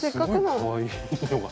すごいかわいいのが。